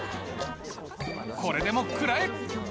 これでも食らえ。